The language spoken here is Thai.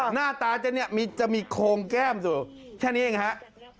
หน้าตาจะมีโคมแก้มแค่นี้เองครับ